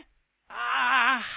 ああ。